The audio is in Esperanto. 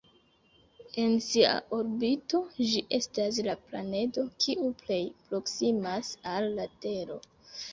En sia orbito, ĝi estas la planedo kiu plej proksimas al la Tero.